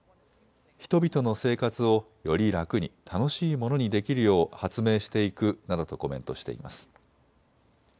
人々の生活をより楽に楽しいものにできるよう発明していくなどとコメントしています。